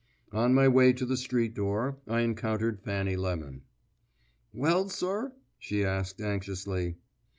On my way to the street door I encountered Fanny Lemon. "Well, sir?" she asked anxiously.